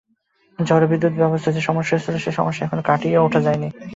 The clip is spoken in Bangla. ঝড়ে বিদ্যুত ব্যবস্থায় যে সমস্যা হয়েছিল সে সমস্যা এখনো কাটিয়ে ওঠা যায় নি।